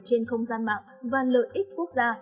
trên không gian mạng và lợi ích quốc gia